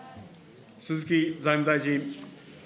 鈴木財務大臣。